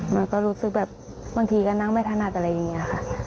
มันก็รู้สึกแบบบางทีก็นั่งไม่ถนัดอะไรอย่างนี้ค่ะ